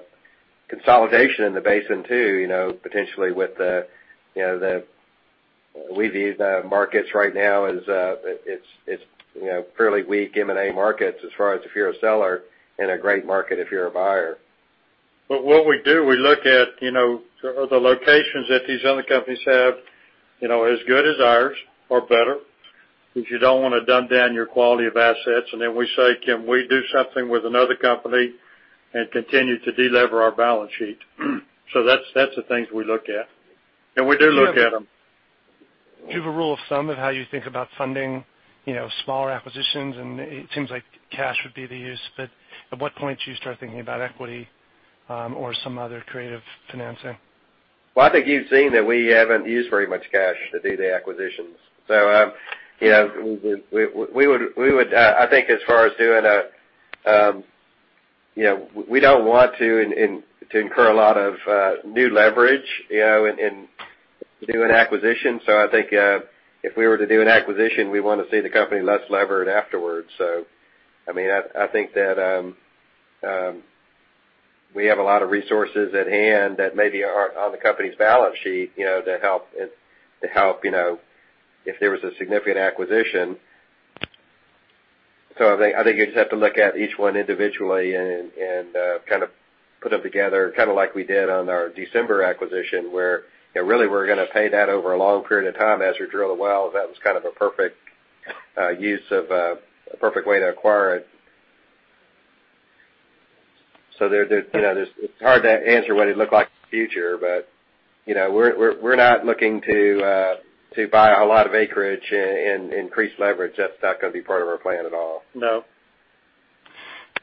consolidation in the basin too, potentially with the We view the markets right now as it's fairly weak M&A markets as far as if you're a seller, and a great market if you're a buyer. What we do, we look at the locations that these other companies have as good as ours or better, because you don't want to dumb down your quality of assets. We say, "Can we do something with another company and continue to delever our balance sheet?" That's the things we look at. We do look at them. Do you have a rule of thumb of how you think about funding smaller acquisitions? It seems like cash would be the use, but at what point do you start thinking about equity, or some other creative financing? Well, I think you've seen that we haven't used very much cash to do the acquisitions. I think as far as doing a We don't want to incur a lot of new leverage in doing acquisitions. I think if we were to do an acquisition, we want to see the company less levered afterwards. I think that we have a lot of resources at hand that maybe aren't on the company's balance sheet, to help if there was a significant acquisition. I think you just have to look at each one individually and put them together, like we did on our December acquisition, where really we're going to pay that over a long period of time as we drill the wells. That was a perfect way to acquire it. It's hard to answer what it'd look like in the future, but we're not looking to buy a lot of acreage and increase leverage. That's not going to be part of our plan at all. No.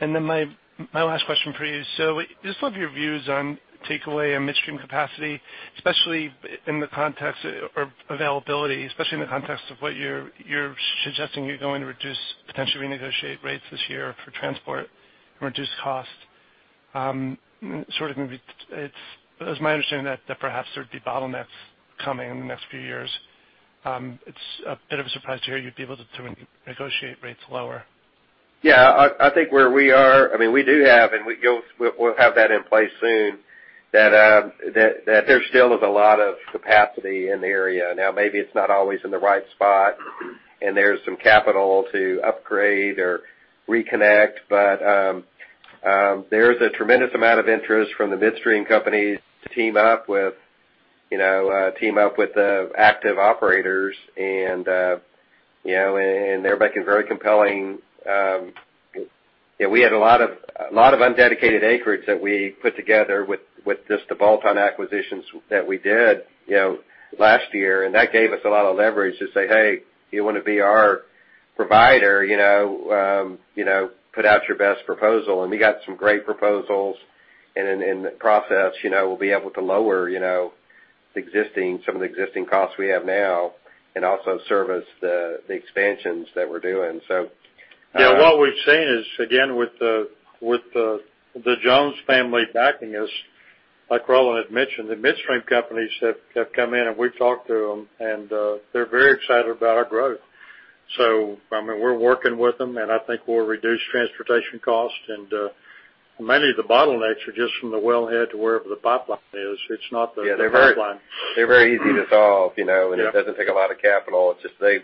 My last question for you. Just want your views on takeaway and midstream capacity, especially in the context or availability, especially in the context of what you're suggesting you're going to reduce, potentially renegotiate rates this year for transport and reduce cost. It was my understanding that perhaps there'd be bottlenecks coming in the next few years. It's a bit of a surprise to hear you'd be able to negotiate rates lower. Yeah. I think where we are, we do have, and we'll have that in place soon, that there still is a lot of capacity in the area. Now, maybe it's not always in the right spot and there's some capital to upgrade or reconnect, but there is a tremendous amount of interest from the midstream companies to team up with the active operators. They're making very compelling. We had a lot of undedicated acreage that we put together with just the bolt-on acquisitions that we did last year. That gave us a lot of leverage to say, "Hey, you want to be our provider? Put out your best proposal." We got some great proposals. In the process, we'll be able to lower some of the existing costs we have now and also service the expansions that we're doing. Yeah, what we've seen is, again, with the Jones family backing us, like Roland had mentioned, the midstream companies have come in, we've talked to them, they're very excited about our growth. We're working with them, I think we'll reduce transportation costs. Many of the bottlenecks are just from the wellhead to wherever the pipeline is. It's not the pipeline. Yeah, they're very easy to solve and it doesn't take a lot of capital. It's just they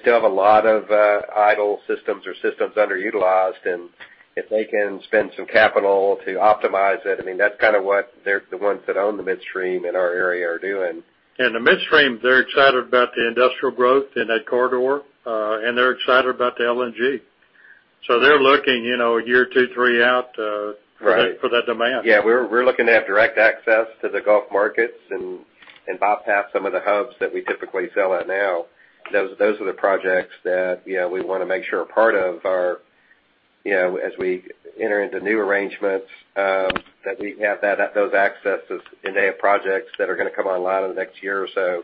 still have a lot of idle systems or systems underutilized. If they can spend some capital to optimize it, that's what the ones that own the midstream in our area are doing. The midstream, they're excited about the industrial growth in that corridor, and they're excited about the LNG. They're looking a year, two, three out. Right for that demand. Yeah. We're looking to have direct access to the Gulf markets and bypass some of the hubs that we typically sell at now. Those are the projects that we want to make sure are part of our as we enter into new arrangements, that we have those accesses. They have projects that are going to come online in the next year or so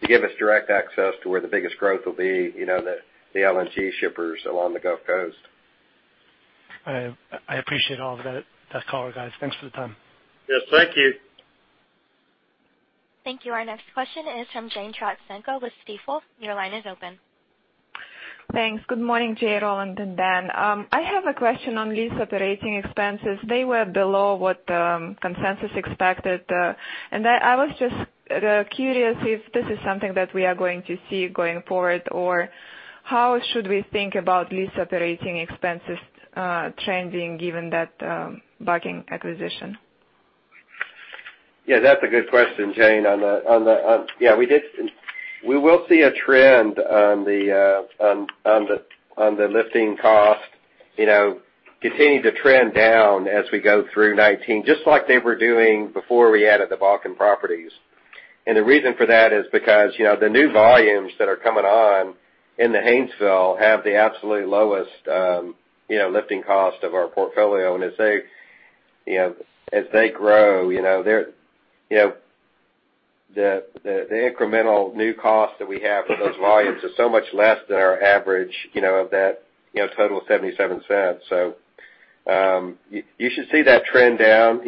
to give us direct access to where the biggest growth will be, the LNG shippers along the Gulf Coast. I appreciate all of that color, guys. Thanks for the time. Yes. Thank you. Thank you. Our next question is from Yevgeniya Trotsenko with Stifel. Your line is open. Thanks. Good morning, Jay, Roland, and Dan. I have a question on lease operating expenses. They were below what consensus expected. I was just curious if this is something that we are going to see going forward, or how should we think about lease operating expenses trending given that Bakken acquisition? Yeah. That's a good question, Jane. We will see a trend on the lifting cost, continuing to trend down as we go through 2019, just like they were doing before we added the Bakken properties. The reason for that is because the new volumes that are coming on in the Haynesville have the absolute lowest lifting cost of our portfolio. As they grow, the incremental new cost that we have for those volumes is so much less than our average of that total of $0.77. You should see that trend down,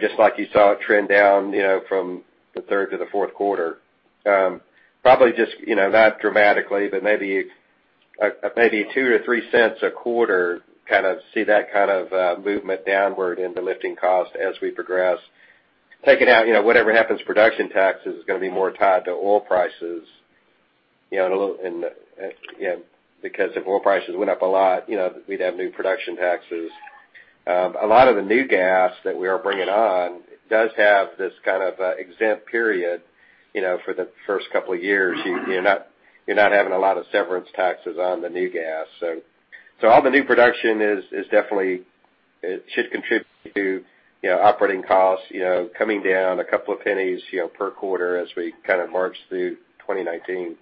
just like you saw it trend down from the third to the fourth quarter. Probably just not dramatically, but maybe $0.02-$0.03 a quarter, see that kind of movement downward in the lifting cost as we progress. Taking out whatever happens, production tax is going to be more tied to oil prices, because if oil prices went up a lot, we'd have new production taxes. A lot of the new gas that we are bringing on does have this kind of exempt period for the first couple of years. You're not having a lot of severance taxes on the new gas. All the new production definitely should contribute to operating costs coming down a couple of $0.01 per quarter as we march through 2019.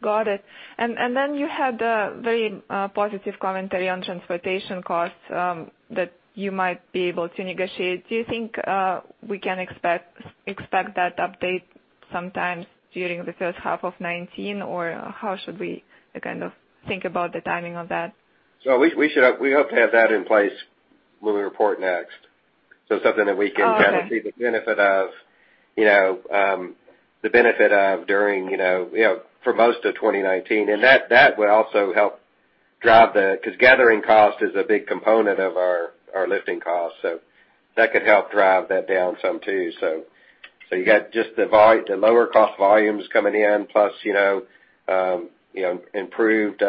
Got it. You had a very positive commentary on transportation costs that you might be able to negotiate. Do you think we can expect that update sometime during the first half of 2019, or how should we think about the timing of that? We hope to have that in place when we report next. Oh, okay see the benefit of during for most of 2019. That would also help drive because gathering cost is a big component of our lifting costs. That could help drive that down some too. You got just the lower cost volumes coming in, plus improved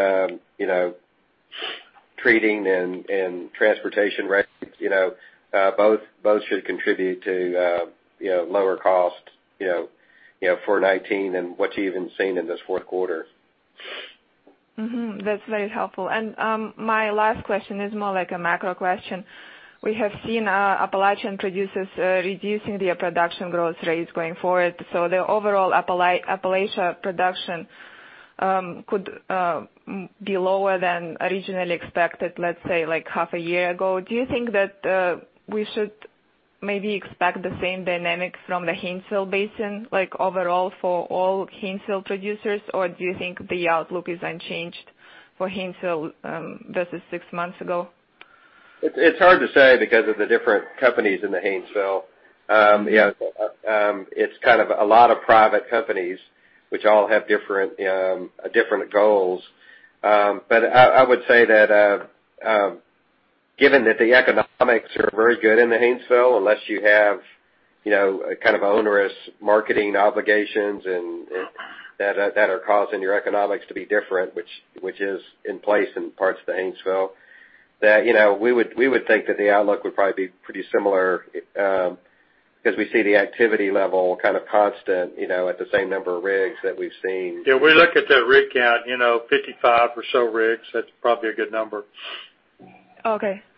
treating and transportation rates. Both should contribute to lower cost for 2019 and what you even seen in this fourth quarter. Mm-hmm. That's very helpful. My last question is more like a macro question. We have seen Appalachian producers reducing their production growth rates going forward. The overall Appalachia production could be lower than originally expected, let's say, like half a year ago. Do you think that we Maybe expect the same dynamics from the Haynesville Basin, overall for all Haynesville producers? Or do you think the outlook is unchanged for Haynesville versus six months ago? It's hard to say because of the different companies in the Haynesville. It's a lot of private companies, which all have different goals. I would say that given that the economics are very good in the Haynesville, unless you have a kind of onerous marketing obligations that are causing your economics to be different, which is in place in parts of the Haynesville, that we would think that the outlook would probably be pretty similar, because we see the activity level constant at the same number of rigs that we've seen. Yeah, we look at that rig count, 55 or so rigs, that is probably a good number.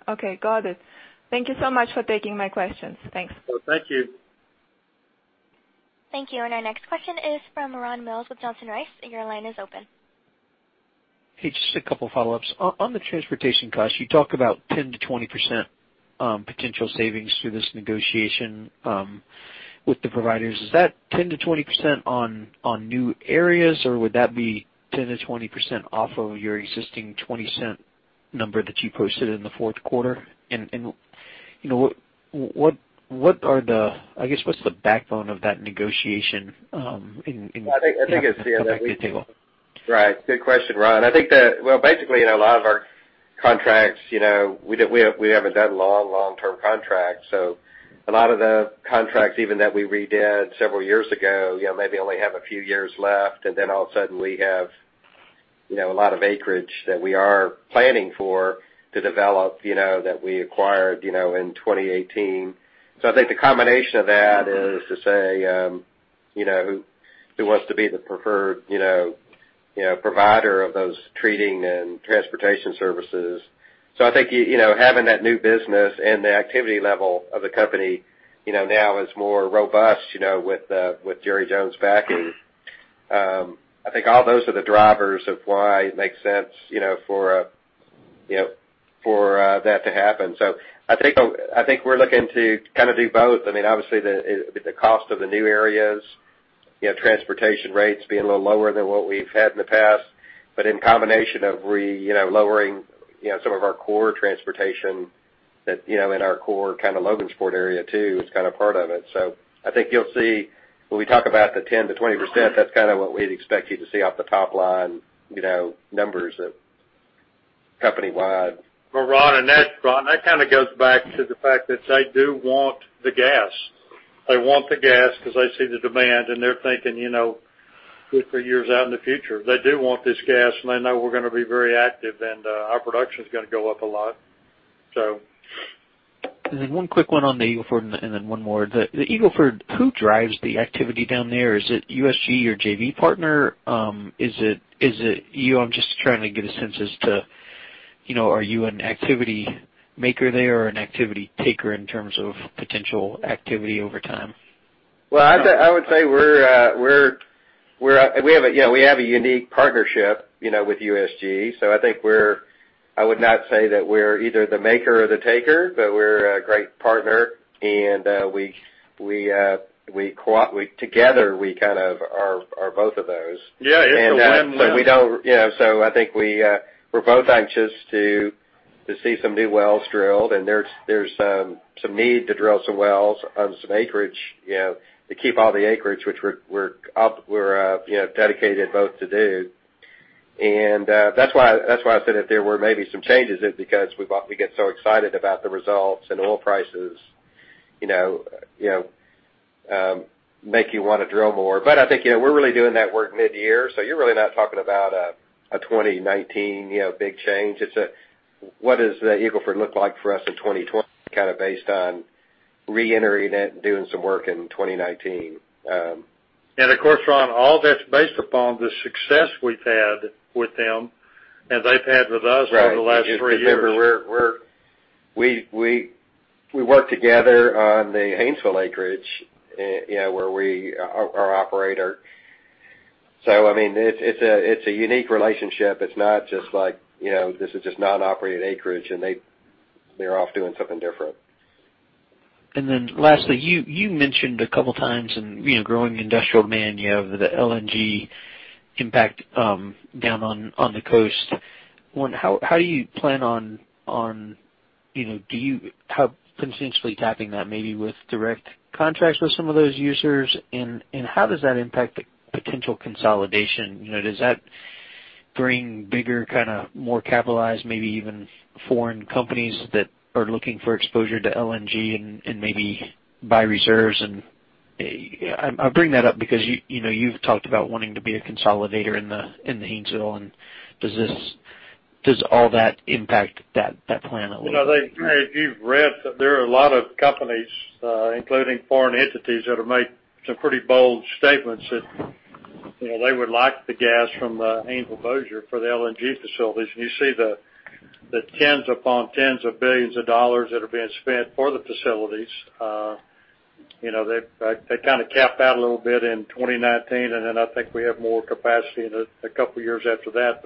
Okay. Got it. Thank you so much for taking my questions. Thanks. Thank you. Thank you. Our next question is from Ron Mills with Johnson Rice. Your line is open. Just a couple follow-ups. On the transportation cost, you talk about 10%-20% potential savings through this negotiation with the providers. Is that 10%-20% on new areas, or would that be 10%-20% off of your existing $0.20 number that you posted in the Q4? I guess what's the backbone of that negotiation in- I think it's Right. Good question, Ron. I think basically, in a lot of our contracts, we haven't done long, long-term contracts. A lot of the contracts, even that we redid several years ago, maybe only have a few years left, and then all of a sudden we have a lot of acreage that we are planning for to develop, that we acquired in 2018. I think the combination of that is to say who wants to be the preferred provider of those treating and transportation services. I think having that new business and the activity level of the company, now is more robust with Jerry Jones back. I think all those are the drivers of why it makes sense for that to happen. I think we're looking to do both. Obviously, the cost of the new areas, transportation rates being a little lower than what we've had in the past. In combination of re-lowering some of our core transportation in our core Logansport area too, is part of it. I think you'll see when we talk about the 10%-20%, that's what we'd expect you to see off the top line numbers company-wide. Well, Ron, that kind of goes back to the fact that they do want the gas. They want the gas because they see the demand, and they're thinking 2, 3 years out in the future. They do want this gas, and they know we're going to be very active, and our production's going to go up a lot. one quick one on the Eagle Ford, then one more. The Eagle Ford, who drives the activity down there? Is it USG, your JV partner? Is it you? I'm just trying to get a sense as to are you an activity maker there or an activity taker in terms of potential activity over time? Well, I would say we have a unique partnership with USG. I think I would not say that we're either the maker or the taker, but we're a great partner, and together we kind of are both of those. Yeah, it's a win-win. I think we're both anxious to see some new wells drilled, and there's some need to drill some wells on some acreage, to keep all the acreage which we're dedicated both to do. That's why I said that there were maybe some changes is because we get so excited about the results, and oil prices make you want to drill more. I think we're really doing that work mid-year, so you're really not talking about a 2019 big change. It's a what does the Eagle Ford look like for us in 2020 based on reentering it and doing some work in 2019. Of course, Ron, all that's based upon the success we've had with them and they've had with us over the last three years. Right. Remember we work together on the Haynesville acreage, where we are operator. It's a unique relationship. It's not just like this is just non-operated acreage, and they're off doing something different. Lastly, you mentioned a couple times in growing industrial demand, you have the LNG impact down on the coast. How do you plan on potentially tapping that, maybe with direct contracts with some of those users, and how does that impact the potential consolidation? Does that bring bigger, more capitalized, maybe even foreign companies that are looking for exposure to LNG and maybe buy reserves? I bring that up because you've talked about wanting to be a consolidator in the Haynesville, does all that impact that plan a little bit? I think if you've read, there are a lot of companies, including foreign entities, that have made some pretty bold statements that they would like the gas from the Haynesville Bossier for the LNG facilities. You see the tens upon tens of billions of dollars that are being spent for the facilities. They've kind of capped out a little bit in 2019, I think we have more capacity in a couple of years after that.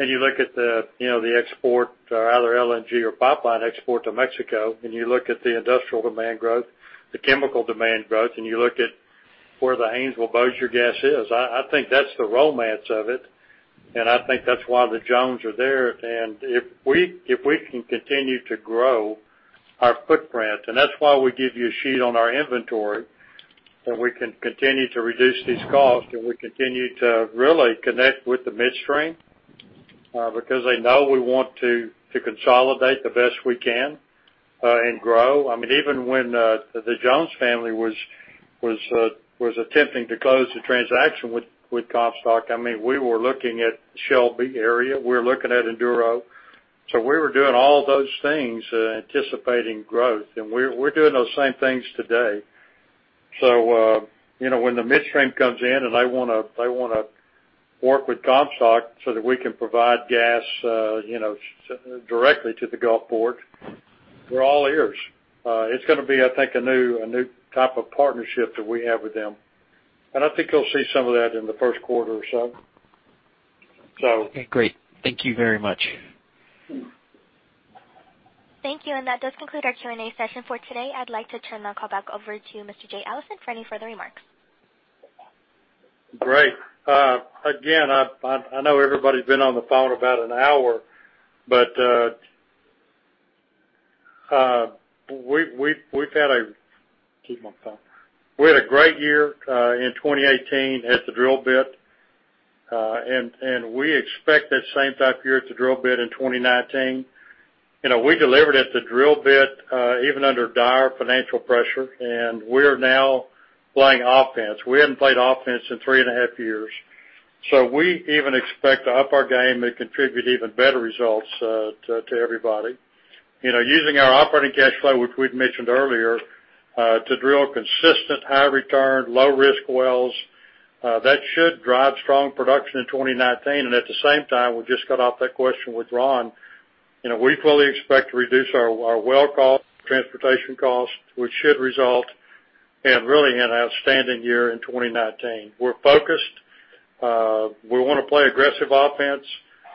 You look at the export, either LNG or pipeline export to Mexico, you look at the industrial demand growth, the chemical demand growth, you look at where the Haynesville Bossier gas is. I think that's the romance of it, I think that's why the Jones are there. If we can continue to grow our footprint, and that's why we give you a sheet on our inventory, that we can continue to reduce these costs, and we continue to really connect with the midstream, because they know we want to consolidate the best we can and grow. Even when the Jones family was attempting to close the transaction with Comstock, we were looking at Shelby area, we were looking at Enduro. We were doing all those things, anticipating growth. We're doing those same things today. When the midstream comes in and they want to work with Comstock so that we can provide gas directly to the Gulf port, we're all ears. It's going to be, I think, a new type of partnership that we have with them. I think you'll see some of that in the first quarter or so. Okay, great. Thank you very much. Thank you. That does conclude our Q&A session for today. I'd like to turn the call back over to Mr. Jay Allison for any further remarks. Great. Again, I know everybody's been on the phone about an hour. We had a great year in 2018 at the drill bit. We expect that same type of year at the drill bit in 2019. We delivered at the drill bit, even under dire financial pressure, and we're now playing offense. We haven't played offense in three and a half years. We even expect to up our game and contribute even better results to everybody. Using our operating cash flow, which we'd mentioned earlier, to drill consistent high return, low risk wells, that should drive strong production in 2019. At the same time, we just got off that question with Ron. We fully expect to reduce our well cost, transportation cost, which should result in really an outstanding year in 2019. We're focused. We want to play aggressive offense.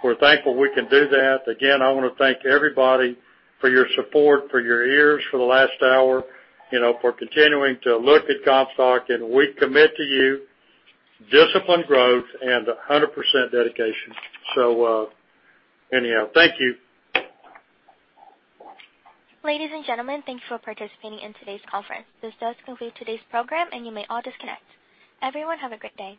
We're thankful we can do that. Again, I want to thank everybody for your support, for your ears for the last hour, for continuing to look at Comstock, and we commit to you disciplined growth and 100% dedication. Anyhow, thank you. Ladies and gentlemen, thank you for participating in today's conference. This does conclude today's program, you may all disconnect. Everyone, have a great day.